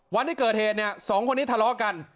วันที่เกิดเหตุเนี่ยสองคนนี้ทะเลาะกัน